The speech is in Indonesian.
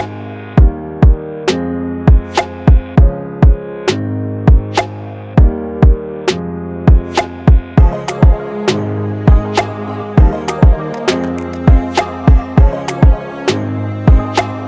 papa juga menghentakinya